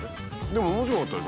でも面白かったでしょ？